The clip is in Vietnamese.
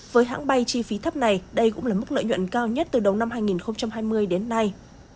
với hãng bay chi phí thấp này đây cũng là mức lợi nhuận cao nhất từ đầu năm hai nghìn hai mươi đến nay